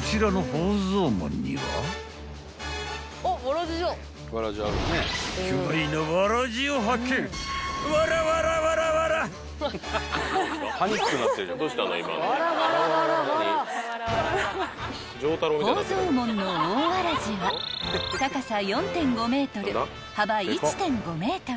［宝蔵門の大わらじは高さ４．５ｍ幅１．５ｍ］